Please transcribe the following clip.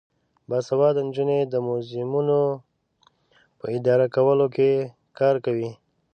باسواده نجونې د موزیمونو په اداره کولو کې کار کوي.